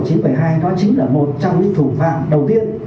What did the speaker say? vui gió một nghìn chín trăm bảy mươi hai đó chính là một trong những thủ phạm đầu tiên